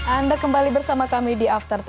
anda kembali bersama kami di after sepuluh